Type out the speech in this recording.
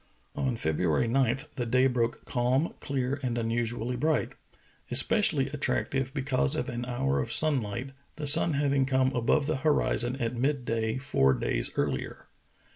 On February 9 the day broke calm, clear, and unusu ally bright; especially attractive because of an hour of sunlight, the sun having come above the horizon at mid day four days earlier.